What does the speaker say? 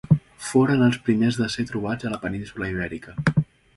Foren els primers de ser trobats a la península Ibèrica.